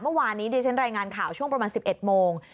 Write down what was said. เมื่อวานนี้ดิฉันรายงานข่าวช่วงประมาณ๑๑โมง